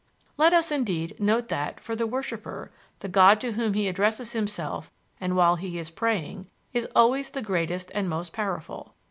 " Let us, indeed, note that, for the worshiper, the god to whom he addresses himself and while he is praying, is always the greatest and most powerful.